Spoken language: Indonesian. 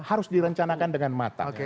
harus direncanakan dengan matang